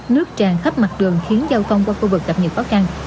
nước tràn khắp mặt đường khiến giao thông qua khu vực gặp nhiều khó khăn